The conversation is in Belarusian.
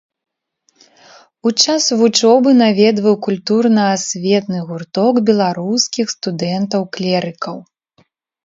У час вучобы наведваў культурна-асветны гурток беларускіх студэнтаў-клерыкаў.